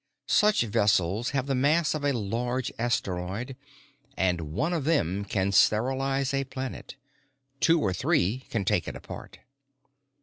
Such vessels have the mass of a large asteroid, and one of them can sterilize a planet; two or three can take it apart.